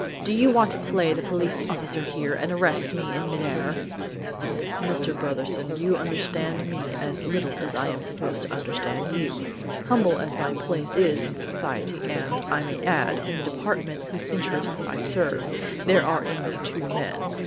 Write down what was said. "Do you want to play the police officer here and arrest me in mid air?" "Mr. Brotherson, you understand me as little as I am supposed to understand you. Humble as my place is in society and, I may add, in the Department whose interests I serve, there are in me two men.